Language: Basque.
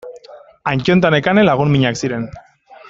Antton eta Nekane lagun minak ziren.